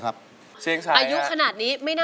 ใช่แต่อย่างอื่นนี่ไปหมด